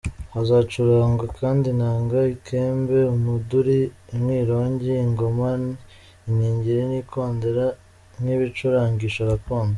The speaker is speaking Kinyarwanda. Hazacurangwa kandi Inanga, Ikembe, Umuduri, Umwirongi, Ingoma, Iningiri n’Ikondera nk’ibicurangisho gakondo.